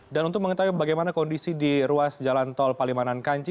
dan untuk mengetahui bagaimana kondisi di ruas jalan tol palimanan kanci